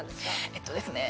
えっとですね。